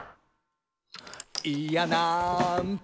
「いやなんと」